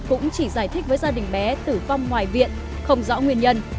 cũng chỉ giải thích với gia đình bé tử vong ngoài viện không rõ nguyên nhân